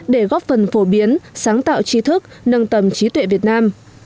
để góp phần phổ biến sáng tạo chi thức nâng tầm trí tuệ việt nam